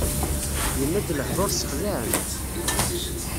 Yenna-d lehdur sexlaɛen.